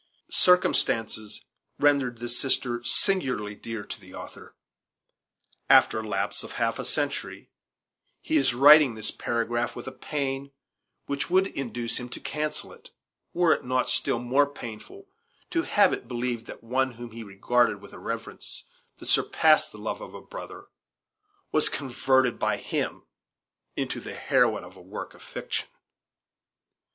Circumstances rendered this sister singularly dear to the author. After a lapse of half a century, he is writing this paragraph with a pain that would induce him to cancel it, were it not still more painful to have it believed that one whom he regarded with a reverence that surpassed the love of a brother was converted by him into the heroine of a work of fiction.